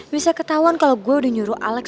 bisa ketauan kalo gue udah nyuruh alex